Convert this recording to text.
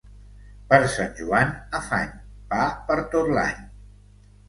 Per Sant Joan afany, pa per tot l'any.